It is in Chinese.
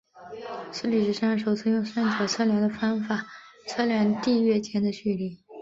是历史上首次用三角测量的方法量测地月间的距离。